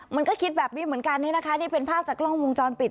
มันก็คิดแบบนี้เหมือนกันนี่นะคะนี่เป็นภาพจากกล้องวงจรปิด